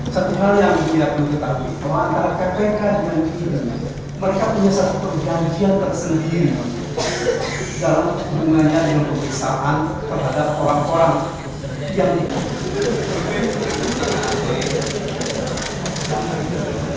satu hal yang tidak diketahui antara kpk dan ina mereka punya satu perjanjian tersendiri dalam pertunangannya dengan periksaan